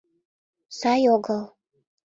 Сай огыл.